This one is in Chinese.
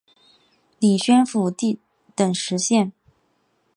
领宣府等十县。